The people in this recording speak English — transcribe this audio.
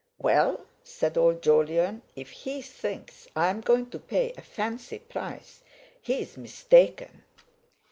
"Well," said old Jolyon, "if, he thinks I'm going to pay a fancy price, he's mistaken.